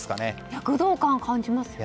躍動感を感じますね。